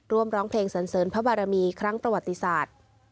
ร้องเพลงสันเสริญพระบารมีครั้งประวัติศาสตร์